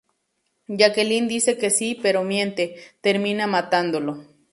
Jacqueline dice que sí, pero miente: termina matándolo.